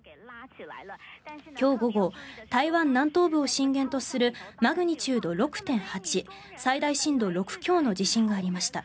今日午後台湾南東部を震源とするマグニチュード６．８最大震度６強の地震がありました。